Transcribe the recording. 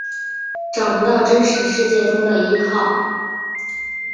找不到真实世界中的依靠